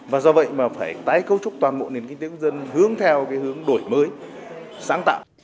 và do vậy mà phải tái cấu trúc toàn bộ nền kinh tế quốc dân hướng theo cái hướng đổi mới sáng tạo